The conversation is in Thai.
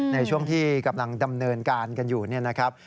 ในช่วงที่กำลังดำเนินการกันอยู่เนี่ยนะครับ